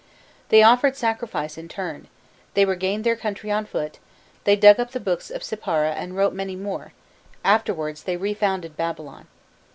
They offered sacrifice in turn, they regained their country on foot, they dug up the books of Sippara and wrote many more; afterwards they refounded Babylon."